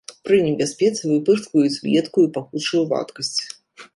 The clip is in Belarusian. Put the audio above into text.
Пры небяспецы выпырскваюць едкую, пахучую вадкасць.